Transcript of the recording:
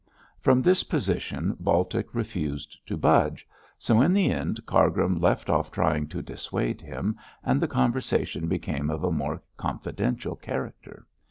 From this position Baltic refused to budge, so in the end Cargrim left off trying to dissuade him, and the conversation became of a more confidential character.